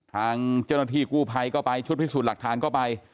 ทางเจ้าหน้าที่กู้ภัยก็ไปชุดพิสูจน์หลักฐานก็ไป